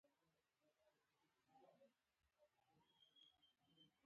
• غاښونه د خولې د ښکلا مرکز دي.